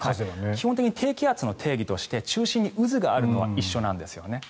基本的に低気圧の定義として中心に渦があるのは一緒なんですよね。